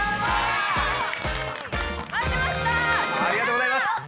ありがとうございます。